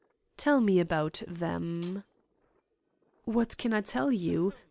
"Tell me about them." "What can I tell you?